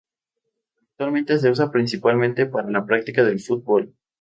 Actualmente se usa principalmente para la práctica del fútbol.